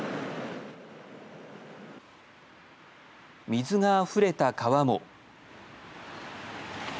水があふれた川も。